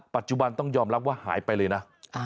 ปัจจุบันต้องยอมรับว่าหายไปเลยนะ